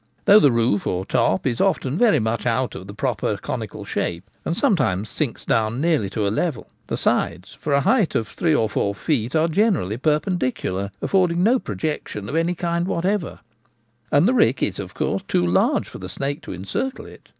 Though the roof or 4 top ' is often very much out of the proper conical shape, and sometimes sinks down nearly to a level, the sides for a height of three or four feet are gene rally perpendicular, affording no projection of any kind whatever; hay is slippery, and the rick is, of course, too large for the snake to encircle it.